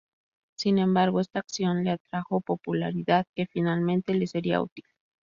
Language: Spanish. Sin embargo, esta acción le atrajo popularidad que finalmente le sería útil.